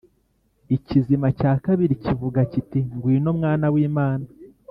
Ikizima cya kabiri kivuga kiti Ngwino mwana w’Imana